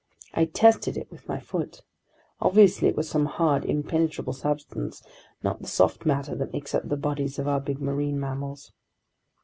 I tested it with my foot. Obviously it was some hard, impenetrable substance, not the soft matter that makes up the bodies of our big marine mammals.